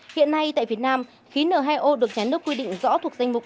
hiện nay tại việt nam khí n hai o được nhà nước quy định rõ thuộc danh mục